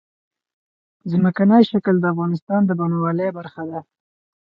ځمکنی شکل د افغانستان د بڼوالۍ برخه ده.